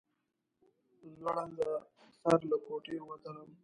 زوړنده سر له کوټې ووتلم.